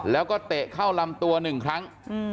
แล้วก็เตะเข้าลำตัว๑ครั้ง